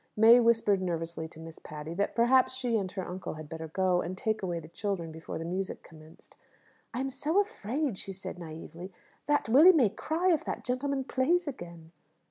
May whispered nervously to Miss Patty, that perhaps she and her uncle had better go, and take away the children before the music commenced. "I am so afraid," she said naïvely, "that Willy may cry if that gentleman plays again."